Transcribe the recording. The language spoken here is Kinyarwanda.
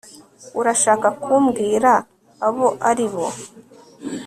urashaka kumbwira abo ari bo